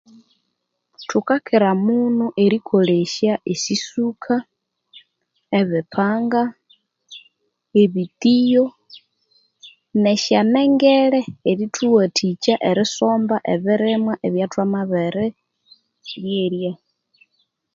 Thukakiramunu erikolesya esisuka, ebipanga, ebitiyo, nesyanengele erithuwathikya erisomba ebirimwa ebya thwamabiri ryerya.